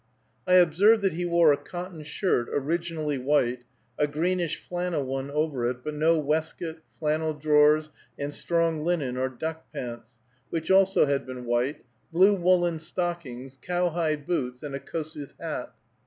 I observed that he wore a cotton shirt, originally white, a greenish flannel one over it, but no waistcoat, flannel drawers, and strong linen or duck pants, which also had been white, blue woolen stockings, cowhide boots, and a Kossuth hat.